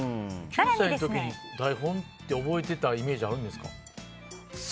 ９歳の時に台本って覚えてたイメージあるんですか？